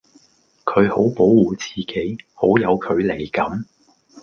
佢好保護自己，好有距離感